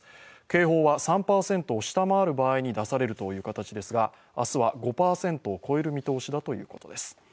警報は３％を下回る場合に出されるという形ですが明日は５％を超える見通しだということです。